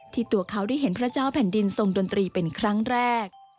ตัวเขาได้เห็นพระเจ้าแผ่นดินทรงดนตรีเป็นครั้งแรก